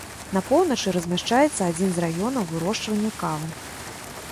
На поўначы размяшчаецца адзін з раёнаў вырошчвання кавы.